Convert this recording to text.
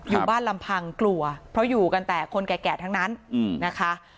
อยู่บ้านลำพังกลัวเพราะอยู่กันแต่คนแก่ทั้งนั้นนะคะ